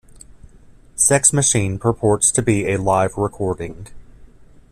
"Sex Machine" purports to be a live recording.